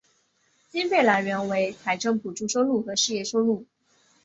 经费来源为财政补助收入和事业收入。